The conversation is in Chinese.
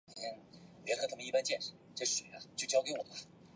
克莱里圣昂德雷人口变化图示